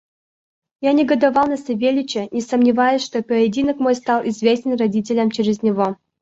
Я негодовал на Савельича, не сомневаясь, что поединок мой стал известен родителям через него.